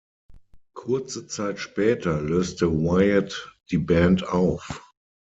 Kurze Zeit später löste Wyatt die Band auf.